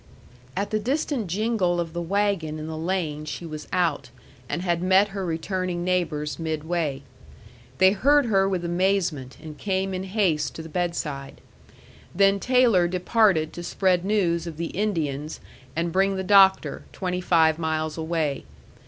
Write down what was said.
At the distant jingle of the wagon in the lane she was out, and had met her returning neighbors midway. They heard her with amazement, and came in haste to the bedside; then Taylor departed to spread news of the Indians and bring the doctor, twenty five miles away.